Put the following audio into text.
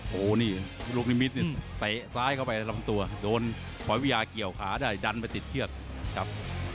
โอ้โหนี่ลูกนิมิตนี่เตะซ้ายเข้าไปลำตัวโดนถอยวิทยาเกี่ยวขาได้ดันไปติดเชือกครับ